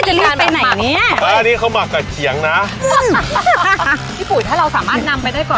จะเป็นไหนอันนี้เขาหมักกับเขียงนะพี่ปุ๋ยถ้าเราสามารถนำไปได้ก่อน